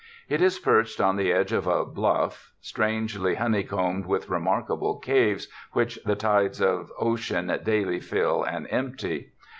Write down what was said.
It is perched on the edge of a bluff, strangely honey combed with remarkable caves, which the tides of ocean daily fill and empty.